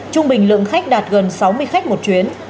trung bình lượng khách đạt gần sáu mươi khách một chuyến